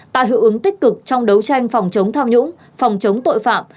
tạo hiệu ứng tích cực trong đấu tranh phòng chống tham nhũng phòng chống tội phạm